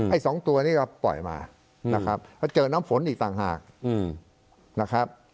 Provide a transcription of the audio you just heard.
สองตัวนี้ก็ปล่อยมานะครับแล้วเจอน้ำฝนอีกต่างหากนะครับ